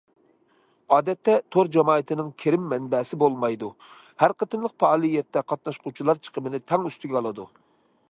ئادەتتە، تور جامائىتىنىڭ كىرىم مەنبەسى بولمايدۇ، ھەر قېتىملىق پائالىيەتتە قاتناشقۇچىلار چىقىمنى تەڭ ئۈستىگە ئالىدۇ.